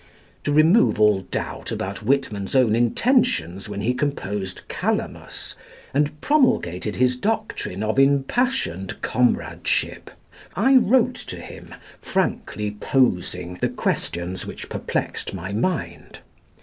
To remove all doubt about Whitman's own intentions when he composed "Calamus," and promulgated his doctrine of impassioned comradeship, I wrote to him, frankly posing the questions which perplexed my mind.